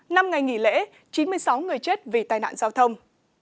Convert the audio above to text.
năm ngày nghỉ lễ chín mươi sáu người chết vì tai nạn giao thông